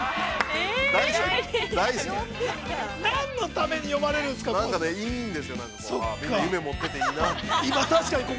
◆何のために読まれるんですか。